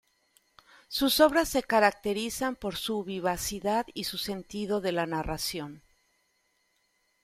Sus obras se caracterizan por su vivacidad y su sentido de la narración.